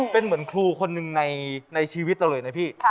เป็นเหมือนครูคนหนึ่งในชีวิตเราเลยนะพี่